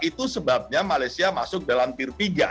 itu sebabnya malaysia masuk dalam peer tiga